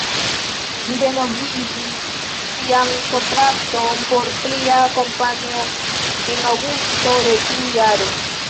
Li renovigis sian kontrakton por plia kampanjo en aŭgusto de tiu jaro.